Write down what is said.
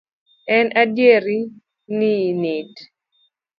En adier ni nit